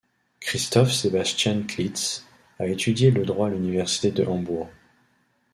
Christof-Sebastian Klitz a étudié le droit à l'Université de Hambourg.